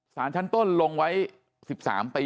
ศาลชั้นต้นลงไว้๑๓ปีมั้ย